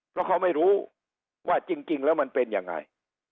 เพราะเขาไม่รู้ว่าจริงแล้วมันเป็นยังไง